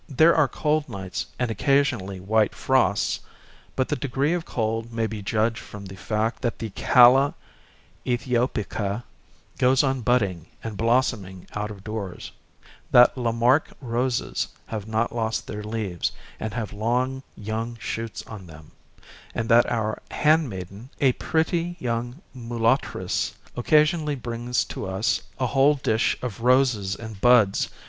There are cold nights, and, occasionally, white frosts : but the degree of cold may be judged from the fact that the Calla Ethiopica goes on budding and blossoming out of doors ; that La Marque roses have not lost their leaves, and have long, young shoots on them ; and that our hand maiden, a pretty, young mulattress, occasionally brings to us a whole dish of roses and buds Hosted by Google 24 PALMETTO LEA VES.